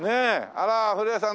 あら古谷さん